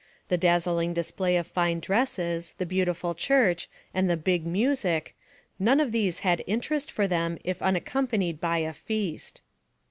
The daz zling display of fine dresses, the beautiful church, and the "big music" none of these had interest for them, if unaccompanied by a feast.